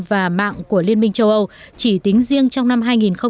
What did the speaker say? và mạng của liên minh châu âu chỉ tính riêng trong năm hai nghìn một mươi tám